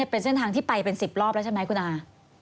เป็นเส้นทางที่ไปเป็น๑๐รอบแล้วใช่ไหมคุณอา